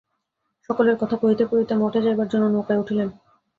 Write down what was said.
সকলে কথা কহিতে কহিতে মঠে যাইবার জন্য নৌকায় উঠিলেন।